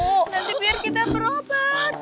nanti biar kita berobat